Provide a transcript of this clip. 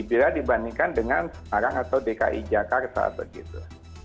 bila dibandingkan dengan semarang atau dki jakarta begitu